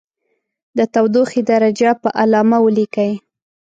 د تودوخې درجه په علامه ولیکئ.